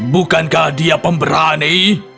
bukankah dia pemberani